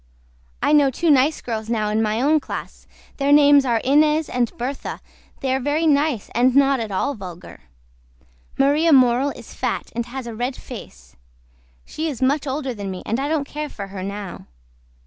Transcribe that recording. I KNOW TWO NICE GIRLS NOW IN MY OWN CLASS THEIR NAMES ARE INEZ AND BERTHA THEY ARE VERY NICE AND NOT AT ALL VULGER. MARIA MORELL IS FAT AND HAS A RED FACE SHE IS MUCH OLDER THAN ME AND I DON'T CARE FOR HER NOW.